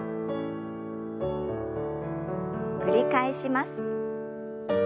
繰り返します。